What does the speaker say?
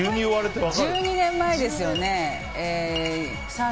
１２年前ですよね。